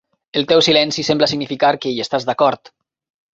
El teu silenci sembla significar que hi estàs d'acord.